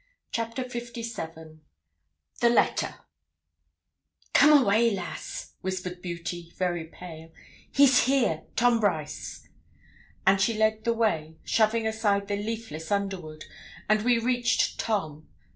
CHAPTER LVII THE LETTER 'Come away, lass,' whispered Beauty, very pale; 'he's here Tom Brice.' And she led the way, shoving aside the leafless underwood, and we reached Tom.